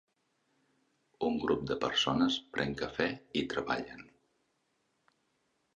Un grup de persones pren cafè i treballen.